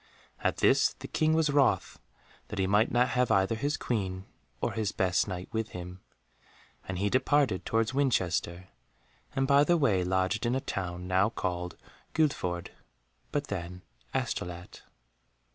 At this the King was wroth, that he might not have either his Queen or his best Knight with him, and he departed towards Winchester and by the way lodged in a town now called Guildford, but then Astolat.